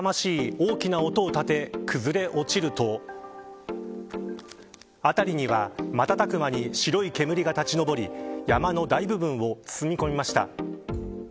大きな音を立て崩れ落ちると辺りには、瞬く間に白い煙が立ち昇り山の大部分を包み込みました。